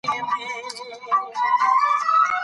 که ښځه مالي پلان جوړ کړي، نو راتلونکی خوندي دی.